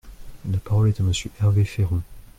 La parole est à Monsieur Hervé Féron.